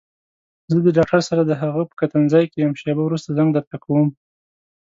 زه د ډاکټر سره دهغه په کتنځي کې يم شېبه وروسته زنګ درته کوم.